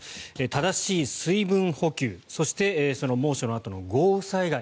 正しい水分補給そしてその猛暑のあとの豪雨災害